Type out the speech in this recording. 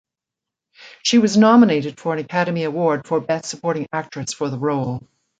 She was nominated for an Academy Award for Best Supporting Actress for the role.